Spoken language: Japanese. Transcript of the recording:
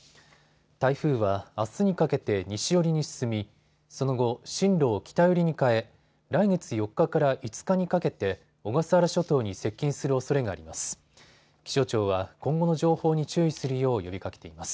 台風はあすにかけて西寄りに進みその後、進路を北寄りに変え来月４日から５日にかけて小笠原諸島に接近するおそれがあります。